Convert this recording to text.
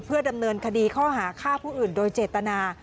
ดำเนินคดีข้อหาฆ่าผู้อื่นโดยเจตนา